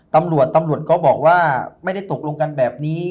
ตำรวจตำรวจก็บอกว่าไม่ได้ตกลงกันแบบนี้